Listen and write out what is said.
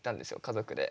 家族で。